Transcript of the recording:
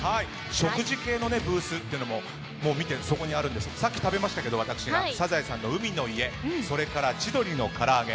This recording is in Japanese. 食事系のブースもすぐそこにありますがさっき私、食べましたけども「サザエさん」の海の家それから千鳥のから揚げ